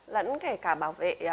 lẫn kể cả bảo vệ